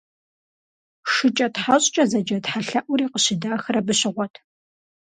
ШыкӀэтхьэщӀкӀэ зэджэ тхьэлъэӀури къыщыдахыр абы щыгъуэт.